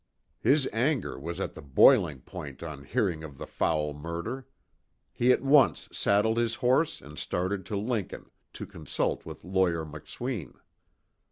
His anger was at the boiling point on hearing of the foul murder. He at once saddled his horse and started to Lincoln, to consult with Lawyer McSween.